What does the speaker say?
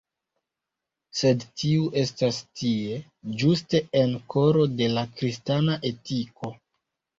Sed tiu estas tie, ĝuste en “koro de la kristana etiko”.